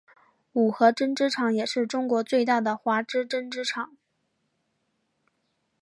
五和针织厂也是中国最大的华资针织厂。